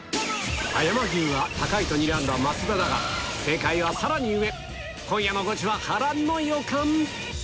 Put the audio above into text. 葉山牛は高いとにらんだ増田正解はさらに上今夜のゴチは波乱の予感